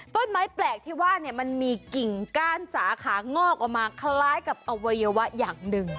แปลกที่ว่าเนี่ยมันมีกิ่งก้านสาขางอกออกมาคล้ายกับอวัยวะอย่างหนึ่ง